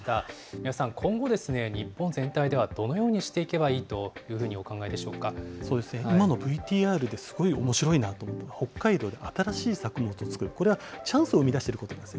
三輪さん、今後、日本全体ではどのようにしていけばいいというふうにお考えでしょそうですね、今のＶＴＲですごいおもしろいなと思ったのは、北海道で新しい作物を作る、これはチャンスを生み出していることです。